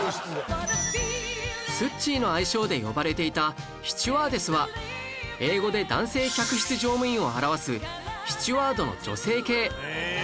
スッチーの愛称で呼ばれていたスチュワーデスは英語で男性客室乗務員を表す ｓｔｅｗａｒｄ の女性形